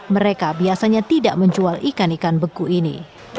mereka biasanya tidak menjual ikan ikan beku ini